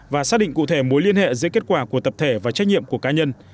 và xác định cụ thể mối liên hệ giữa kết quả của tập thể và trách nhiệm của cá nhân